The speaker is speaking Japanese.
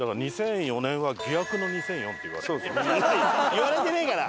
言われてないから！